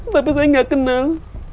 tapi saya gak kenal